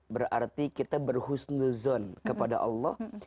berarti kita berhusnuzon kepada allah